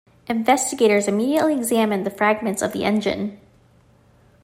Investigators immediately examined the fragments of the engine.